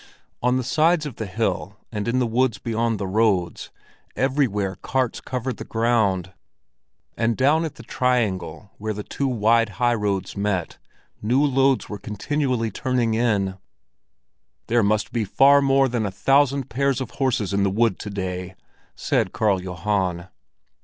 On the sides of the hill and in the wood beyond the roads—everywhere carts covered the ground; and down at the triangle where the two wide high roads met, new loads were continually turning in. "There must be far more than a thousand pairs of horses in the wood to day," said Karl Johan.